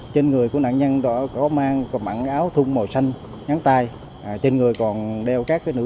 trên người của nạn nhân đó có mang có mặn áo thun màu xanh nhắn tay trên người còn đeo các nữ